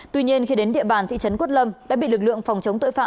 tuy nhiên khi đến địa bàn thị trấn quất lâm đã bị lực lượng phòng chống tội phạm